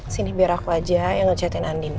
sini biar aku aja yang ngechatin sama andin